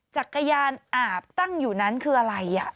จักรยานอาบตั้งอยู่นั้นคืออะไร